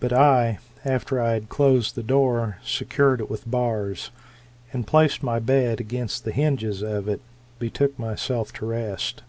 But I, after I had closed the door, secured it with bars, and placed my bed against the hinges of it, betook myself to rest.